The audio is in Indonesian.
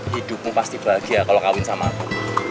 hidupmu pasti bahagia kalau kawin sama aku